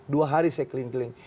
dua hari saya keliling keliling